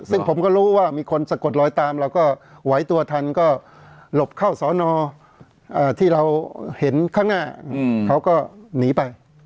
ซึ่งผมก็รู้ว่ามีคนสะกดลอยตามเราก็ไหวตัวทันก็หลบเข้าสอนอที่เราเห็นข้างหน้าเขาก็หนีไป